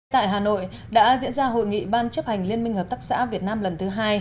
tại hà nội đã diễn ra hội nghị ban chấp hành liên minh hợp tác xã việt nam lần thứ hai